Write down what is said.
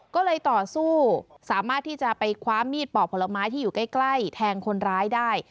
ก็เลยต่อสู้สามารถที่จะไปคว้ามีดปอกผลไม้ที่อยู่ใกล้แทงคนร้ายได้